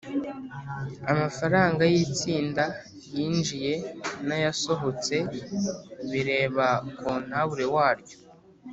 amafaranga yitsinda yinjiye nayasohotse bireba kontabure waryo